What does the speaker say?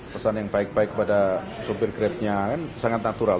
pesan yang baik baik pada supir grabnya sangat natural